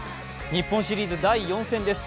日本シリーズ第４戦です。